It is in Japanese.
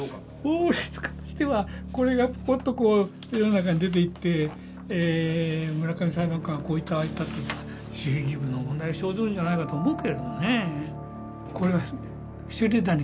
法律家としてはこれがポッと世の中に出ていって村上裁判官がこう言ったああ言ったというのは守秘義務の問題が生ずるんじゃないかと思うけれどもね。